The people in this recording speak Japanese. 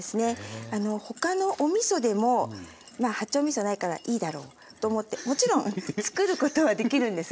他のおみそでも八丁みそがないからいいだろうと思ってもちろん作ることはできるんです。